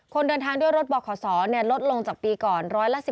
คนเดินทางด้วยรถบอกขอสอนเนี่ยลดลงจากปีก่อน๑๑๖๐๗